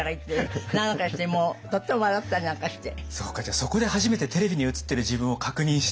そこで初めてテレビに映ってる自分を確認して？